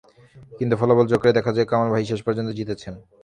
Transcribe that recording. কিন্তু ফলাফল যোগ করে দেখা যায় কামাল ভাই-ই শেষ পর্যন্ত জিতেছেন।